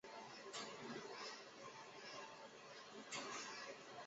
它常用于表现物体内的空间。